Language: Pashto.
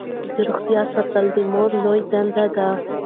د روغتیا ساتل د مور لویه دنده ده.